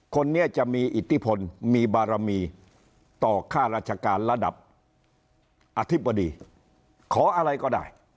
คนนี้จะมีอิทธิพลมีบารมีต่อค่าราชการระดับอธิบดีขออะไรก็ได้